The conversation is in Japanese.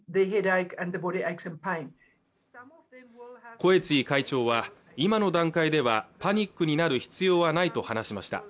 コエツィ会長は今の段階ではパニックになる必要はないと話しました